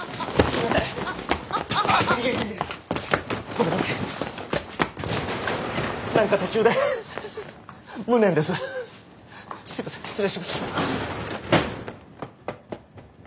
すいません失礼します。